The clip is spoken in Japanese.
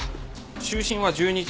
就寝は１２時。